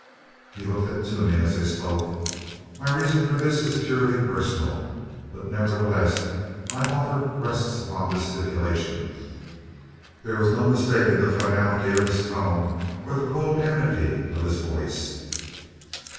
He looked at Toomey as he spoke. "My reason for this is purely personal, but nevertheless my offer rests upon this stipulation." There was no mistaking the finality of his tone or the cold enmity of his voice.